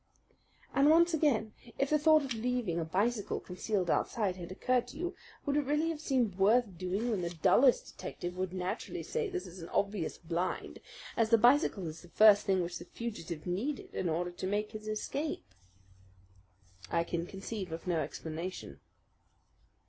"And once again, if the thought of leaving a bicycle concealed outside had occurred to you, would it really have seemed worth doing when the dullest detective would naturally say this is an obvious blind, as the bicycle is the first thing which the fugitive needed in order to make his escape." "I can conceive of no explanation."